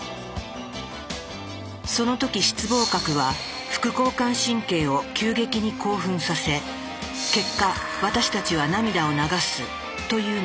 その時室傍核は副交感神経を急激に興奮させ結果私たちは涙を流すというのだ。